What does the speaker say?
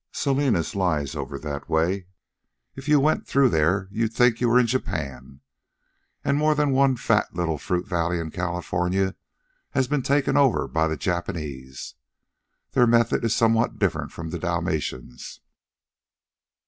"Salinas lies over that way. If you went through there you'd think you were in Japan. And more than one fat little fruit valley in California has been taken over by the Japanese. Their method is somewhat different from the Dalmatians'.